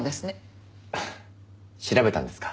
調べたんですか？